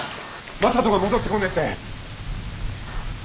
真人が戻ってこねえって。